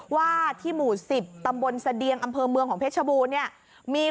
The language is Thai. พี่ฟูมิเห็นเปรตไหม